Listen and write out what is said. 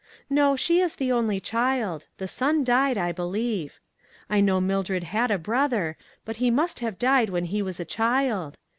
No, she is the only child — the son died, I believe. I know Mildred had a brother, but he" must have died when he was a child.